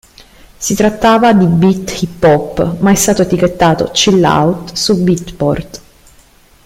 Si trattava di beat hip-hop, ma è stato etichettato 'chill out' su Beatport.